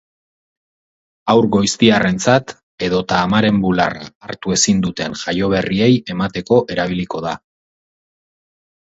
Haur goiztiarrentzat, edota amaren bularra hartu ezin duten jaioberriei emateko erabiliko da.